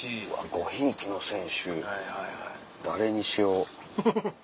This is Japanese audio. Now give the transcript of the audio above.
ごひいきの選手誰にしよう？